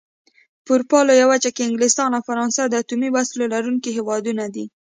په اروپا لويه وچه کې انګلستان او فرانسه د اتومي وسلو لرونکي هېوادونه دي.